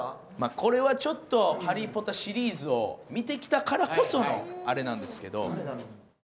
これはちょっと「ハリー・ポッター」シリーズを見てきたからこそのあれなんですけど誰だろう？